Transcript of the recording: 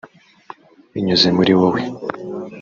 Binyuze muri wowe